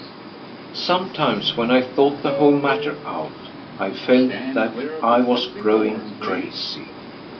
Sometimes when I thought the whole matter out I felt that I was growing crazy.